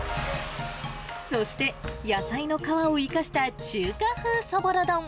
そして、野菜の皮を生かした中華風そぼろ丼。